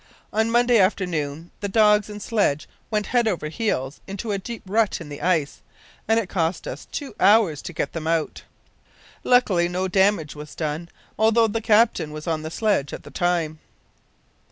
On Monday afternoon the dogs and sledge went head over heels into a deep rut in the ice, and it cost us two hours to get them out again. Luckily no damage was done, although the captain was on the sledge at the time.